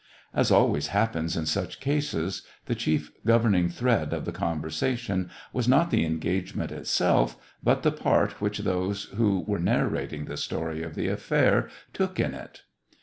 As always happens in such cases, the chief gov erning thread of the conversation was not the engagement itself, but the part which those who were narrating the story of the affair took in it.